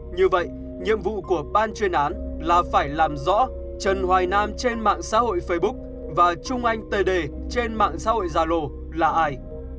như vậy nhiệm vụ của ban chuyên án là phải làm rõ trần hoài nam trên mạng xã hội facebook và trung anh td trên mạng xã hội zalo là ai